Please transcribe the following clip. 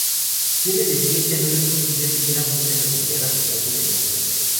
Tiene de siete a nueve costillas ligeramente redondeadas que no tienen muescas.